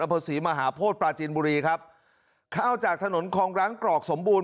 อำเภอศรีมหาโพธิปราจีนบุรีครับเข้าจากถนนคองร้างกรอกสมบูรณ